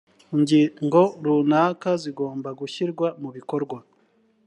ingingo runaka zigomba gushyirwa mu bikorwa